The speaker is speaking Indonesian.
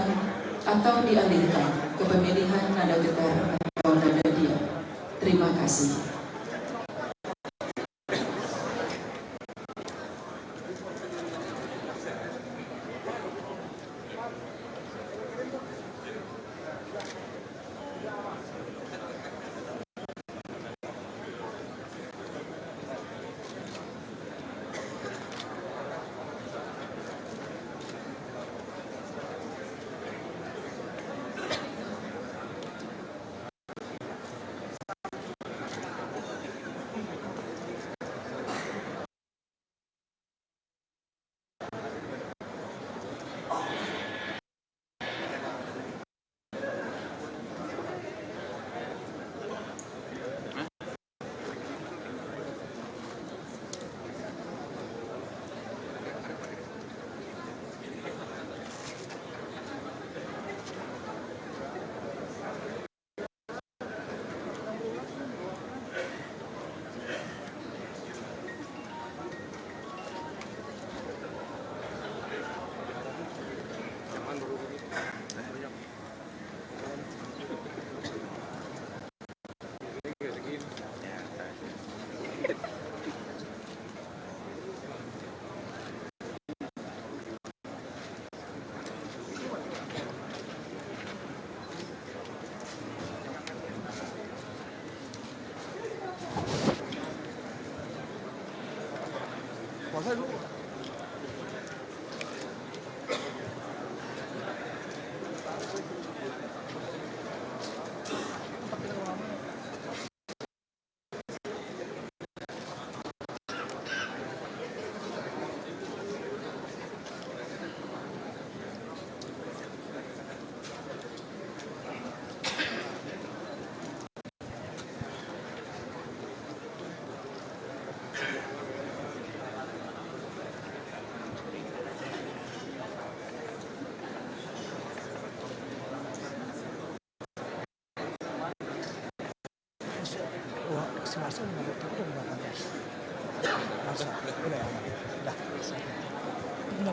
hiduplah hiduplah negeriku bangsa ku rakyatku semua